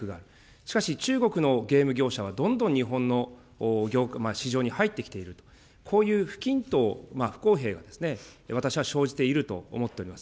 しかし、中国のゲーム業者はどんどん日本の業界、市場に入ってきている、こういう不均等、不公平が私は生じていると思っております。